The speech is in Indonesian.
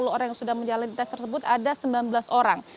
dan dari sembilan belas orang yang menjalani tes tersebut ada sembilan belas orang